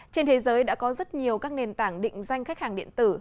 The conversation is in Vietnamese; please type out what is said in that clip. trên thế giới đã có rất nhiều các nền tảng định danh khách hàng điện tử